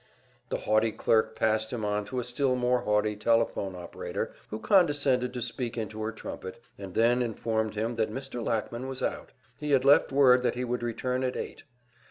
The haughty clerk passed him on to a still more haughty telephone operator, who condescended to speak into her trumpet, and then informed him that Mr. Lackman was out; he had left word that he would return at eight.